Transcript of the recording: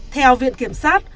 theo viện kiểm soát